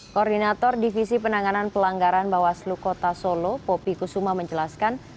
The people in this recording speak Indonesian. koordinator divisi penanganan pelanggaran bawaslu kota solo popi kusuma menjelaskan